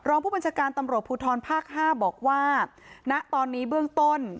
รองผู้บัญชาการตำรวจภูทรภาค๕บอกว่าณตอนนี้เบื้องต้น